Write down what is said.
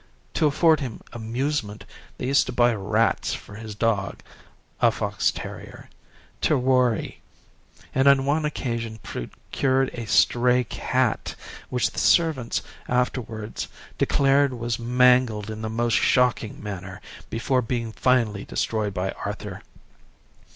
To afford him amusement they used to buy rats for his dog a fox terrier to worry, and on one occasion procured a stray cat, which the servants afterwards declared was mangled in the most shocking manner before being finally destroyed by Arthur.